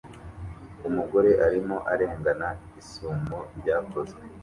Umugore arimo arengana isumo ryakozwe